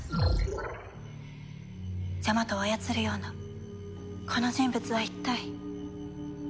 ジャマトを操るようなこの人物は一体。